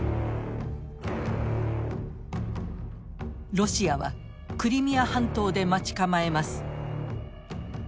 ロシアはクリミア半島で待ち構えます。